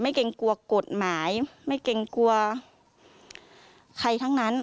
เกรงกลัวกฎหมายไม่เกรงกลัวใครทั้งนั้น